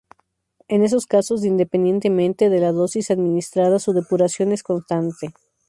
En estos casos, independientemente de la dosis administrada, su depuración es constante.